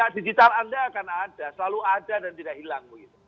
digital anda akan ada selalu ada dan tidak hilang